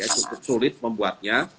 cukup sulit membuatnya